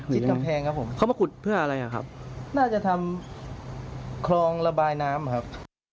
กำแพงครับผมเขามาขุดเพื่ออะไรอ่ะครับน่าจะทำคลองระบายน้ำครับ